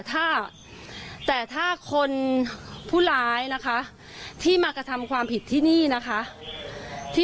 ถ้าแต่ถ้าคนผู้ร้ายนะคะที่มากระทำความผิดที่นี่นะคะที่